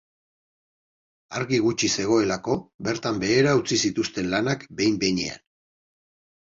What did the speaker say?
Argi gutxi zegoelako bertan behera utzi zituzten lanak behin-behinean.